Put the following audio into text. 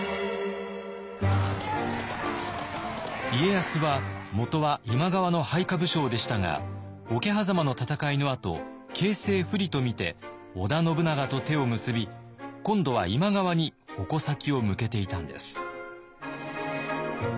家康はもとは今川の配下武将でしたが桶狭間の戦いのあと形勢不利とみて織田信長と手を結び今度は今川に矛先を向けていたんです。